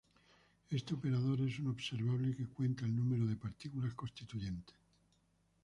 Este operador es un observable que cuenta el número de partículas constituyentes.